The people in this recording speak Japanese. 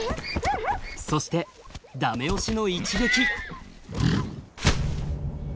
そして駄目押しの一撃。